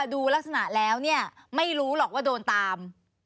ดูลักษณะแล้วเนี่ยไม่รู้หรอกว่าโดนตาม